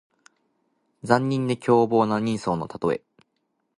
残忍で凶暴な人相のたとえ。